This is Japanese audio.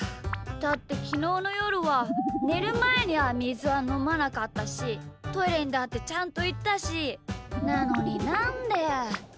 だってきのうのよるはねるまえにはみずはのまなかったしトイレにだってちゃんといったしなのになんで。